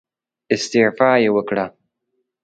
استعفا يې وکړه.